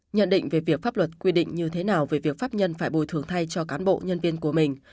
nhận định về việc pháp luật quy định như thế nào về việc pháp nhân phải bồi thường thay cho cán bộ nhân viên của mình